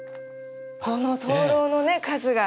この灯籠のね、数が。